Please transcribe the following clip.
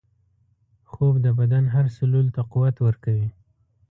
خوب د بدن هر سلول ته قوت ورکوي